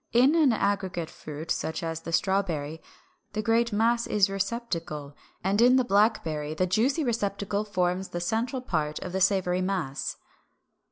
In an aggregate fruit such as the strawberry the great mass is receptacle (Fig. 360, 368); and in the blackberry (Fig. 369) the juicy receptacle forms the central part of the savory mass.